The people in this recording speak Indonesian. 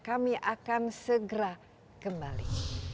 kami akan segera kembali